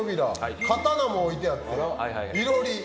刀も置いてあって囲炉裏。